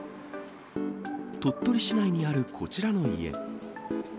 鳥取市内にあるこちらの家。